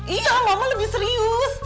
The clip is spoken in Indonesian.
iya mama lebih serius